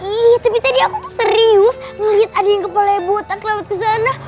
ih tapi tadi aku tuh serius ngeliat ada yang kepalanya botak lewat kesana